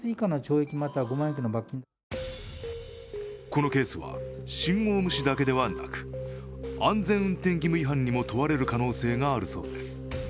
このケースは信号無視だけではなく安全運転義務違反にも問われる可能性があるそうです。